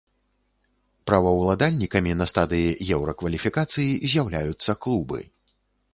Праваўладальнікамі на стадыі еўракваліфікацыі з'яўляюцца клубы.